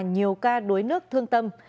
nhiều ca đối nước thương tâm